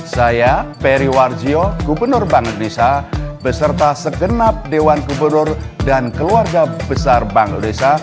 saya peri warjio gubernur bank indonesia beserta segenap dewan gubernur dan keluarga besar bank indonesia